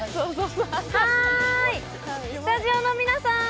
スタジオの皆さん